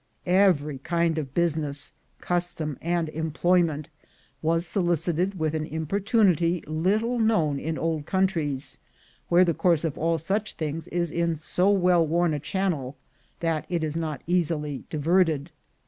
Every kind of business, custom, and employment, was solicited with an importunity little known in old countries, where the course of all such things is in so well worn a channel, that it is not easily diverted.